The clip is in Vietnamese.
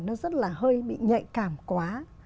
nó rất là hơi bị nhạy cảm quá